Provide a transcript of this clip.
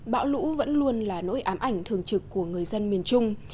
bão lũ vẫn luôn là nỗi ám ảnh thường trực của người dân miền trung